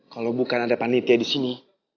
kalau bukan ada panitia di sini